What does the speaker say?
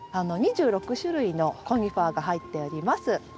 ２６種類のコニファーが入っております。